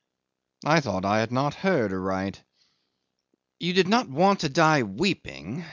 I thought I had not heard aright. '"You did not want to die weeping?"